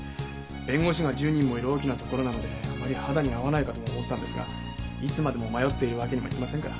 弁護士が１０人もいる大きな所なのであまり肌に合わないかとも思ったんですがいつまでも迷っているわけにもいきませんから。